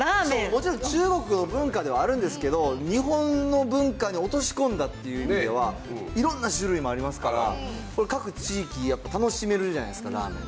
もちろん中国の文化ではあるんですけど、日本の文化に落とし込んだっていう意味では、いろんな種類もありますから、これ、各地域、やっぱり楽しめるじゃないですか、ラーメン。